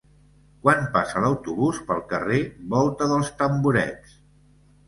Quan passa l'autobús pel carrer Volta dels Tamborets?